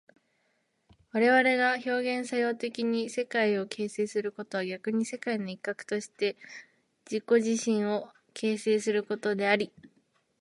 我々が表現作用的に世界を形成することは逆に世界の一角として自己自身を形成することであり、